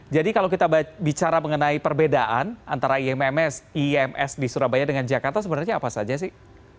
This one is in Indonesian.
jadi kalau kita bicara mengenai perbedaan antara ims di surabaya dengan jakarta sebenarnya apa saja sih